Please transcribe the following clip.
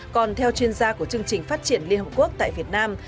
còn theo chuyên gia của chương trình phát triển liên hợp quốc tại việt nam